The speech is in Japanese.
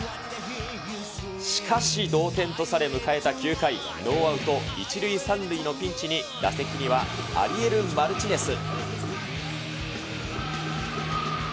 しかし同点とされ、迎えた９回、ノーアウト１塁３塁のピンチに、打席にはアリエル・マルティネス。